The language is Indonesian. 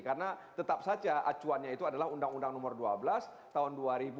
karena tetap saja acuannya itu adalah undang undang nomor dua belas tahun dua ribu sebelas